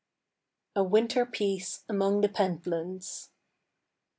A WINTER PIECE AMONG THE PENTLANDS.